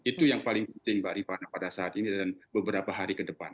itu yang paling penting mbak rifana pada saat ini dan beberapa hari ke depan